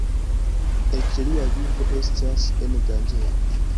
Eĉ lia vivo estas en danĝero.